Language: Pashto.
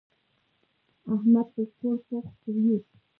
احمد پر کور پوخ پرېوت.